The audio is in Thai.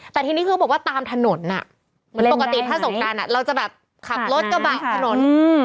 แต่ทีนี้คือเขาบอกว่าตามถนนเหมือนปกติถ้าสงการเราจะแบบขับรถกระบะถนน